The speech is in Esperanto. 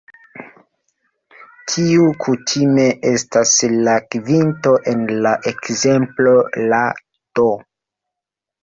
Tiu kutime estas la kvinto; en la ekzemplo la "d".